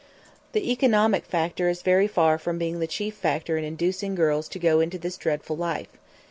The economic factor is very far from being the chief factor in inducing girls to go into this dreadful life.